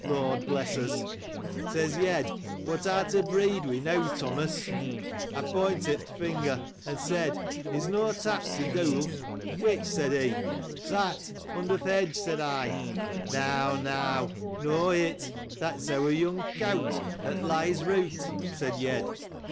Lord bless us ! says Yed, what art thou afraid of now, Thomas ? I pointed th' finger, and said, Is not that the De'il? Which? said he. That under th' hedge, said I. No, no: Not it. That's our young colt, that lies out, said Yed.